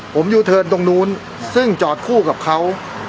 ผมยูเทิร์นตรงนู้นซึ่งจอดคู่กับเขา